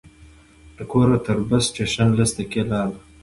له کوره تر بس سټېشن لس دقیقې لاره ده.